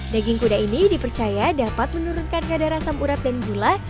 daging kuda ini dipercaya dapat menurunkan kadar asam urat dan gula